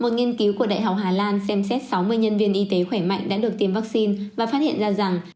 một nghiên cứu của đại học hà lan xem xét sáu mươi nhân viên y tế khỏe mạnh đã được tiêm vaccine và phát hiện ra rằng